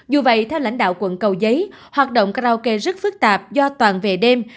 dù vậy theo lãnh đạo quận cầu giấy hoạt động karaoke rất phức tạp do toàn về đêm